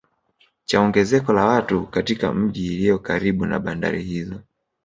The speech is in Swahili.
Cha ongezeko la watu katika miji iliyo karibu na bandari hizo